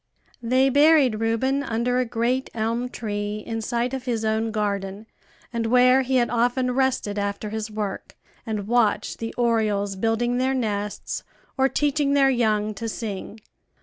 They buried Reuben under a great elm tree in sight of his own garden, and where he had often rested after his work, and watched the orioles building their nests or teaching their young to sing.